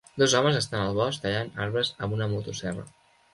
Dos homes estan al bosc tallant arbres amb una motoserra.